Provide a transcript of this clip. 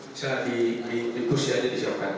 bisa di kursi saja di jauhkan